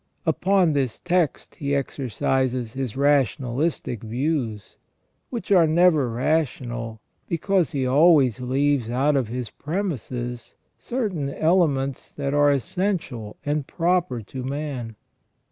Upon this text he exercises his rationalistic views, which are never rational, because he always leaves out of his premises certain elements that are essential and proper to man.